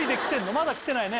まだきてないね？